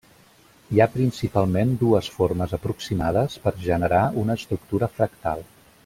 Hi ha principalment dues formes aproximades per a generar una estructura fractal.